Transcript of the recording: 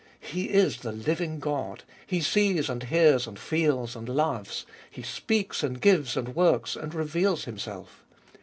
He is the living God. He sees and hears and feels and loves. He speaks and gives and works, and reveals Himself.